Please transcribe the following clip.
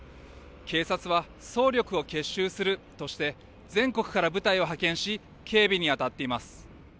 警察は総力を結集するとして、全国から部隊を派遣し、警備に当たっています。